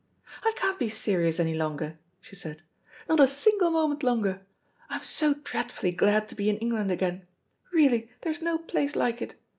"I can't be serious any longer," she said; "not a single moment longer. I'm so dreadfully glad to be in England again. Really, there is no place like it.